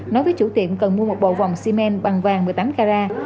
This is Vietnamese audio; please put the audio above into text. nói với chủ tiệm cần mua một bộ vòng ximên bằng vàng một mươi tám carat